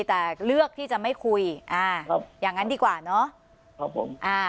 แต่เลือกที่จะไม่คุยอ่าครับอย่างนั้นดีกว่าเนอะครับผมอ่า